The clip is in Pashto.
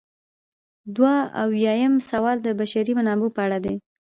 دوه اویایم سوال د بشري منابعو په اړه دی.